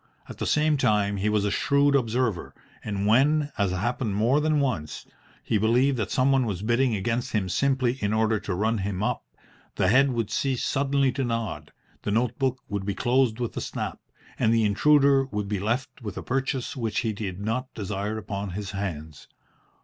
At the same time he was a shrewd observer, and when, as happened more than once, he believed that someone was bidding against him simply in order to run him up, the head would cease suddenly to nod, the note book would be closed with a snap, and the intruder would be left with a purchase which he did not desire upon his hands.